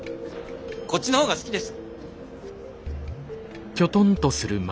こっちの方が好きです。